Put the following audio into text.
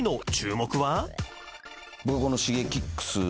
僕はこのＳｈｉｇｅｋｉｘ。